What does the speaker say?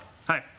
はい。